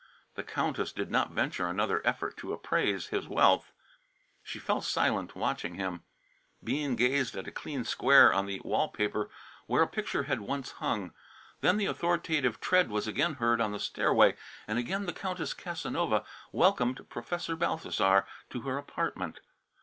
The Countess did not venture another effort to appraise his wealth. She fell silent, watching him. Bean gazed at a clean square on the wall paper where a picture had once hung. Then the authoritative tread was again heard on the stairway, and again the Countess Casanova welcomed Professor Balthasar to her apartment.